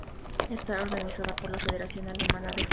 Es organizada por la Federación Alemana de Fútbol.